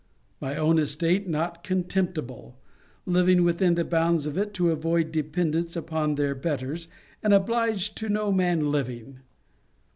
My own estate not contemptible! Living within the bounds of it, to avoid dependence upon their betters, and obliged to no man living!